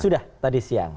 sudah tadi siang